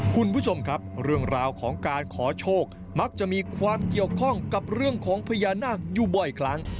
คุณผู้ชมครับเรื่องราวของการขอโชคมักจะมีความเกี่ยวข้องกับเรื่องของพญานาคอยู่บ่อยครั้ง